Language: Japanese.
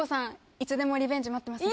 いつでもリベンジ待ってますね。